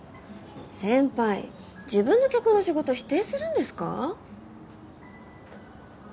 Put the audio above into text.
先輩自分の客の仕事否定するんですか？